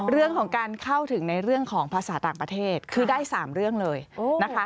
เรื่องของการเข้าถึงในเรื่องของภาษาต่างประเทศคือได้๓เรื่องเลยนะคะ